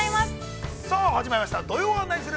さあ始まりました「土曜はナニする！？」。